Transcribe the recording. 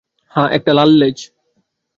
হ্যাঁ, একটা লাল লেজ।